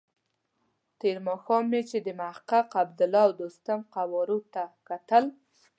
تېر ماښام مې چې د محقق، عبدالله او دوستم قوارو ته کتل.